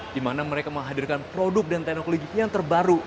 di mana mereka menghadirkan produk dan teknologi yang terbaru